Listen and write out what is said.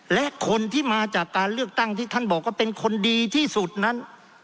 และคนที่มาจากการเลือกตั้งที่ท่านบอกว่าเป็นคนดีที่สุดนั้น